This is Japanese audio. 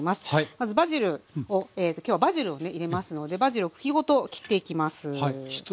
まずバジルを今日はバジルをね入れますのでバジルを茎ごと切っていきます。